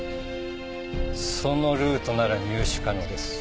そのルートなら入手可能です。